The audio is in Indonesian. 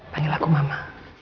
panggil aku mama